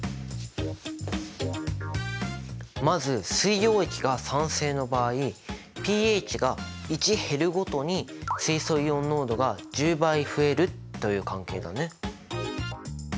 まず水溶液が酸性の場合ｐＨが１減るごとに水素イオン濃度が１０倍増えるという関係だね。